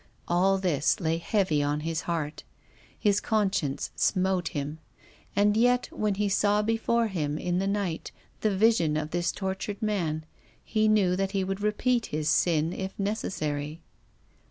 All this lay heavy on his heart. His conscience smote him. And yet, when he saw before him in the night the vision of this tortured man, he knew that he would repeat his sin if necessary.